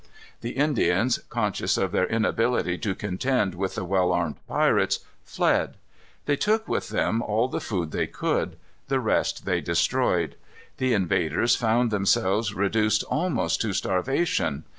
The Indians, conscious of their inability to contend with the well armed pirates, fled. They took with them all the food they could. The rest they destroyed. The invaders found themselves reduced almost to starvation.